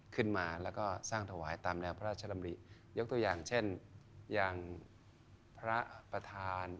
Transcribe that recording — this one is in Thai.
ขึ้นมาแล้วก็สร้างถวายตามแนวพระราชดำริยกตัวอย่างเช่นอย่างพระประธาน